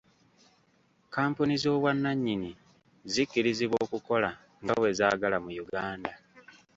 Kkampuni z'obwannannyini zikkirizibwa okukola nga bwe zaagala mu Uganda.